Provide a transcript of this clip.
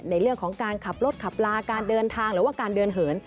ในเรื่องของการขับรถขับลาการเดินทางหรือว่าการเดินเหิน